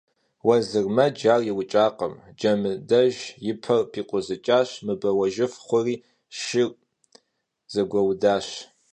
Vuezırmec ar yiş'akhım: Cemıdej yi per pikhuzıç'aş, mıbeuejjıf xhuri, şşır zegueudaş.